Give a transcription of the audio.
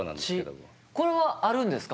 これはあるんですか？